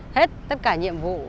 hết tất cả nhiệm vụ